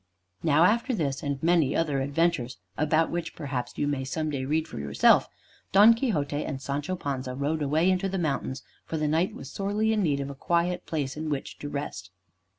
Now, after this and many other adventures (about which, perhaps, you may some day read for yourself), Don Quixote and Sancho Panza rode away into the mountains, for the Knight was sorely in need of a quiet place in which to rest.